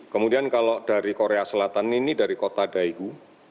kemudian kalau dari korea selatan ini dari kota daegu